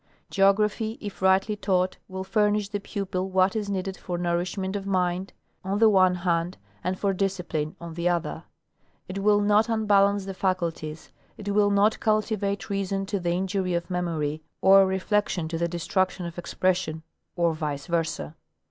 Geography, if rightly taught, will furnish the pupil what is needed for nourishment of mind on the one hand, and for dis cipline on the other. It will not unbalance the faculties ; it will not cultivate reason to the injury of memory, or reflection to the destruction of expression, or vice versa.